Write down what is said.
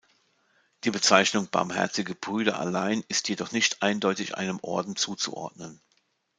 Die Bezeichnung "Barmherzige Brüder" allein ist jedoch nicht eindeutig einem Orden zuzuordnen.